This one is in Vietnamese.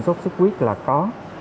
sốt xuất huyết là có